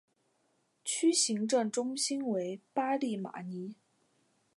区行政中心为巴利马尼。